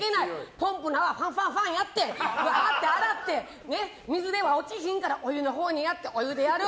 ポンプの泡ファンファンファンやって洗って洗って水では落ちひんからお湯のほうにやってお湯でやる